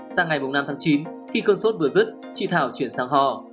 sang ngày năm tháng chín khi cơn sốt vừa dứt chị thảo chuyển sang hò